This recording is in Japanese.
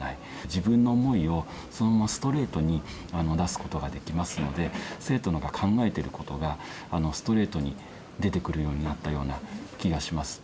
自分の思いをそのままストレートに出すことができますので生徒が考えてることがストレートに出てくるようになったような気がします。